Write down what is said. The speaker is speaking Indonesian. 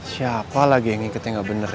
siapa lagi nggak bener